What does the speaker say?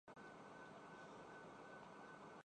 کہ I P L نے